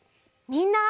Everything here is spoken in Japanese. みんな！